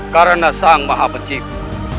karena sang maha mencipta